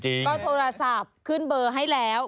ก็โทรศัพท์ขึ้นเบอร์ให้แล้ว